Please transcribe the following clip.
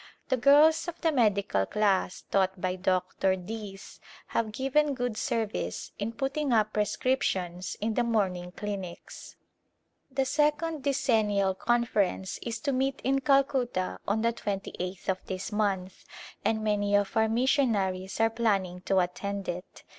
The girls of the medical class taught by Dr. Dease have given good service in putting up prescriptions in the morning clinics. The second Decennial Conference is to meet in Cal cutta on the twentv eighth of this month and many of our missionaries are planning to attend it.